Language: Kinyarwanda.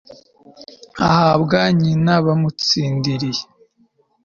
ahabwa nyina bamutsindiriye